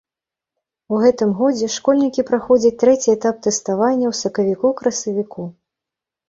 У гэтым годзе школьнікі праходзяць трэці этап тэставання ў сакавіку-красавіку.